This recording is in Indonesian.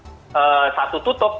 maka mereka akan shifting ke opet